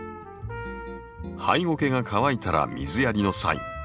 ハイゴケが乾いたら水やりのサイン。